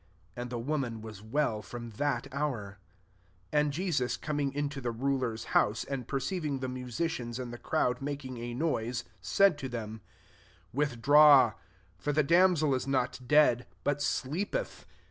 And the womai was well from that hour.) 2^ And Jesus coming into the ru ler's house, and perceiving tlu musicians and the crowd makil a noise, 24 said to themi"Wit draw : for the damsel is dead, but sleepeth."